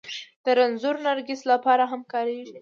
د رنځور نرګس لپاره هم کارېږي